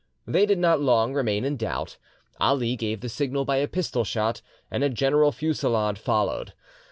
They did not long remain in doubt. Ali gave the signal by a pistol shot, and a general fusillade followed.